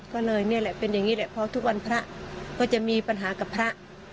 ก็เลยนี่แหละเป็นอย่างนี้แหละเพราะทุกวันพระก็จะมีปัญหากับพระ